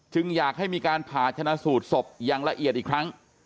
อยากให้มีการผ่าชนะสูตรศพอย่างละเอียดอีกครั้ง